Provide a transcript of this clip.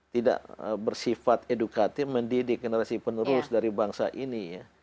tidak bersifat edukatif mendidik generasi penerus dari bangsa ini